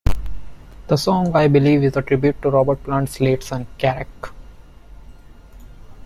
The song "I Believe" is a tribute to Robert Plant's late son, Karac.